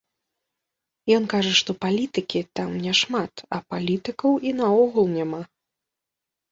Ён кажа, што палітыкі там няшмат, а палітыкаў і наогул няма.